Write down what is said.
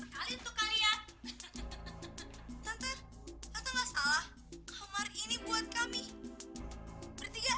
ini kamu sekalian baguskan dan tante rasa kamar ini cukup mewah sekali untuk kalian